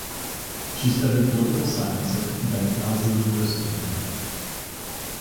She studied political science at Benghazi University in Libya.